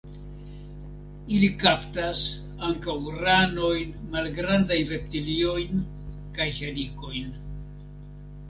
Ili kaptas ankaŭ ranojn, malgrandajn reptiliojn kaj helikojn.